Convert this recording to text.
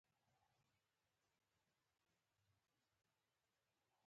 چې شېبه په شېبه تازه کېږي.